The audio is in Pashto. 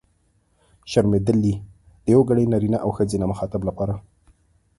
شرمېدلې! د یوګړي نرينه او ښځينه مخاطب لپاره.